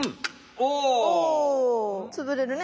おつぶれるね。